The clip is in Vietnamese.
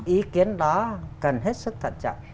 ý kiến đó cần hết sức thận trọng